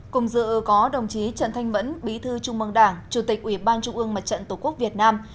cùng dự có đồng chí trần thanh mẫn bí thư trung mương đảng chủ tịch ủy ban trung ương mặt trận tổ quốc việt nam